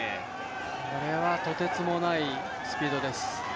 これはとてつもないスピードです。